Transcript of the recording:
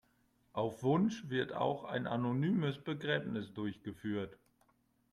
Auf Wunsch wird auch ein anonymes Begräbnis durchgeführt.